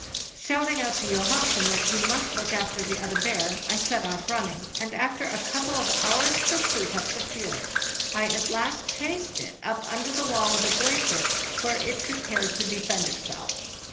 Shouting out to Johansen that he must look after the other bear, I set off running, and after a couple of hours' pursuit up the fjord I at last chased it up under the wall of a glacier, where it pre pared to defend itself.